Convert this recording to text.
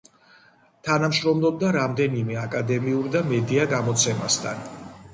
თანამშრომლობდა რამდენიმე აკადემიურ და მედია გამოცემასთან.